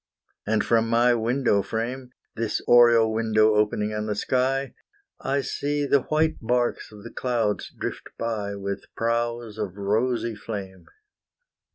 And from my window frame, This oriel window opening on the sky, I see the white barques of the clouds drift by, With prows of rosy flame.